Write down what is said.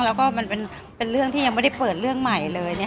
แล้วก็มันเป็นเรื่องที่ยังไม่ได้เปิดเรื่องใหม่เลย